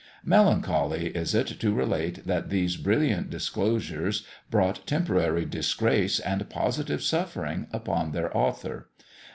Melancholy is it to relate that these brilliant disclosures brought temporary disgrace and positive suffering upon their author.